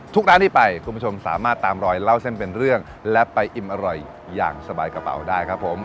ร้านที่ไปคุณผู้ชมสามารถตามรอยเล่าเส้นเป็นเรื่องและไปอิ่มอร่อยอย่างสบายกระเป๋าได้ครับผม